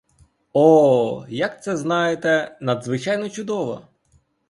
О, як це, знаєте, надзвичайно чудово!